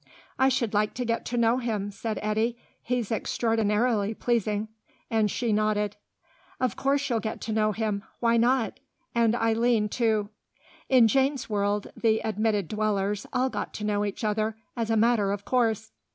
"I should like to get to know him," said Eddy. "He's extraordinarily pleasing," and she nodded. "Of course you'll get to know him. Why not? And Eileen, too." In Jane's world, the admitted dwellers all got to know each other, as a matter of course.